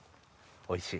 おいしい？